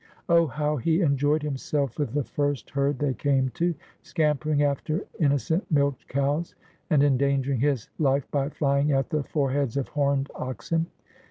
Oh, how he enjoyed himself with the first herd they came to, scampering after inno cent milch cows, and endangering his life by flying at the fore heads of horned oxen